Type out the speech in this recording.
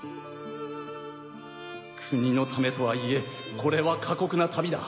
アオサ：国のためとはいえこれは過酷な旅だ。